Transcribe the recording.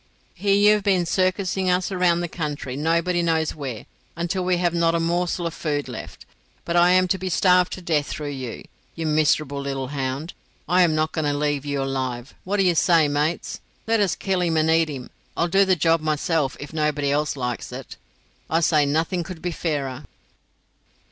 Here you have been circussing us round the country, nobody knows where, until we have not a morsel of food left; but if I am to be starved to death through you, you miserable little hound, I am not going to leave you alive. What do you say, mates? Let us kill him and eat him. I'll do the job myself if nobody else likes it. I say nothing could be fairer."